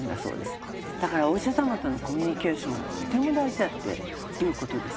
だからお医者様とのコミュニケーションはとても大事だっていうことです。